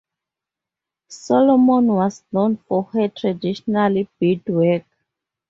Solomon was known for her traditional beadwork.